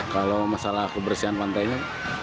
kalau masalah kebersihan pantainya